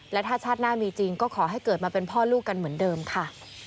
และถ้าชาติหน้ามีจริงก็ขอให้เกิดมาเป็นพ่อลูกกันเหมือนเดิมค่ะ